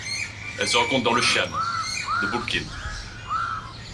Elle se rencontre dans le xian de Burqin.